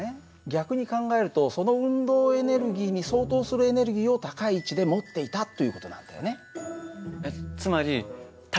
逆に考えるとその運動エネルギーに相当するエネルギーを高い位置で持っていたという事なんだよね。